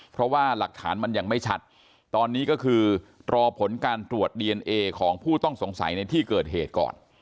เพราะว่าหลักฐานมันยังไม่ชัดตอนนี้ก็คือรอผลการตรวจดีเอนเอของผู้ต้องสงสัยในที่เกิดเหตุก่อน